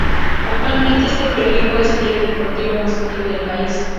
Actualmente este periódico es el diario deportivo más antiguo del país.